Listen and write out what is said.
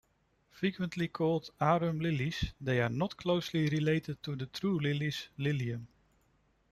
Frequently called "arum lilies", they are not closely related to the true lilies "Lilium".